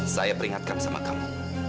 saya peringatkan sama kamu